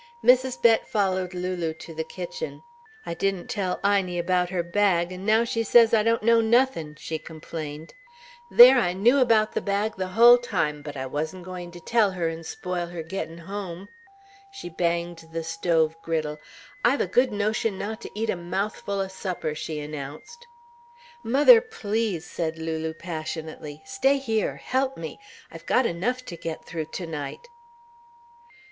Mrs. Bett followed Lulu to the kitchen; "I didn't tell Inie about her bag and now she says I don't know nothing," she complained. "There I knew about the bag the hull time, but I wasn't going to tell her and spoil her gettin' home." She banged the stove griddle. "I've a good notion not to eat a mouthful o' supper," she announced. "Mother, please!" said Lulu passionately. "Stay here. Help me. I've got enough to get through to night."